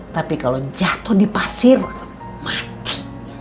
tapi kalau jatuh di pasir macet